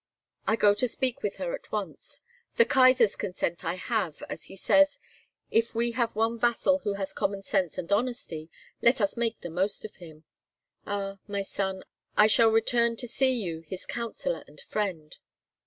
"I go to speak with her at once. The Kaisar's consent I have, as he says, 'If we have one vassal who has common sense and honesty, let us make the most of him.' Ah! my son, I shall return to see you his counsellor and friend."